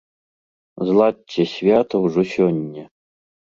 Зладзьце свята ўжо сёння!